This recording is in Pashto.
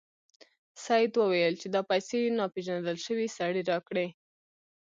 سید وویل چې دا پیسې یو ناپيژندل شوي سړي راکړې.